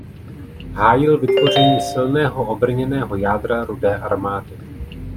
Hájil vytvoření silného obrněného jádra Rudé armády.